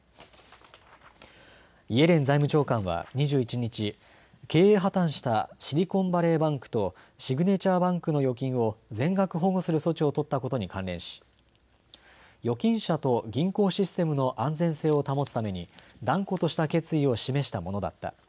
イエレン財務長官は２１日、経営破綻したシリコンバレーバンクとシグネチャーバンクの預金を全額保護する措置を取ったことに関連し預金者と銀行システムの安全性を保つために断固とした決意を示したものだった。